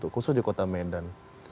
khusus di kota medan